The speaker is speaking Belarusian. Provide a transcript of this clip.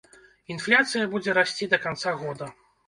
Інфляцыя будзе расці да канца года.